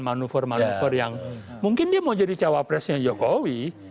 manuver manuver yang mungkin dia mau jadi cawapresnya jokowi